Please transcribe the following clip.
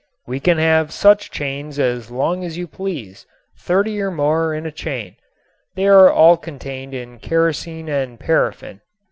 We can have such chains as long as you please, thirty or more in a chain; they are all contained in kerosene and paraffin.